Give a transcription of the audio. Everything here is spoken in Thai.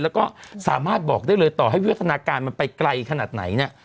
แล้วก็สามารถบอกได้เลยต่อให้วิวัฒนาการมันไปไกลขนาดไหนเนี่ย